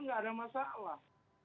tidak ada masalah